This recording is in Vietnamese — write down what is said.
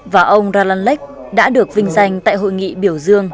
và ông ra lan lech đã được vinh danh tại hội nghị biểu dương